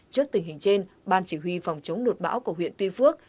trước tình hình trên ban chỉ huy phòng chống lụt bão của huyện tuy phước